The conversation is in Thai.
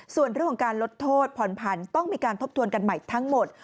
ส่วนเรื่องของการลดโทษผ่อนผันต้องมีการทบทวนกันใหม่ทั้งหมด